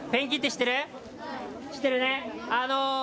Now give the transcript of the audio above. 知ってるね。